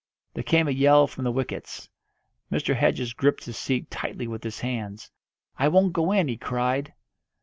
There came a yell from the wickets; Mr. Hedges gripped his seat tightly with his hands. "I won't go in!" he cried.